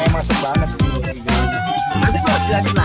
masuk banget ke sini